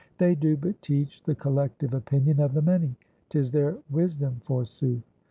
'They do but teach the collective opinion of the many; 'tis their wisdom, forsooth.